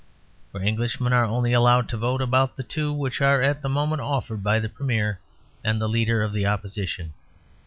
For Englishmen are only allowed to vote about the two which are at that moment offered by the Premier and the Leader of the Opposition.